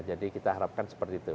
jadi kita harapkan seperti itu